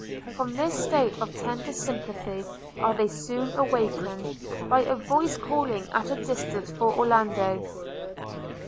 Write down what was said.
From this state of tender sympathy they were soon awakened, by a voice calling at a distance for Orlando.